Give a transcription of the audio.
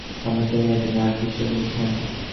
আমাকে নিয়ে তিনি আট পৃষ্ঠা লিখেছেন।